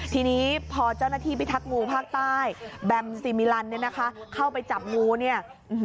ทีนี้พอเจ้าหน้าที่พิทักษ์งูภาคใต้แบมซีมิลันเนี่ยนะคะเข้าไปจับงูเนี่ย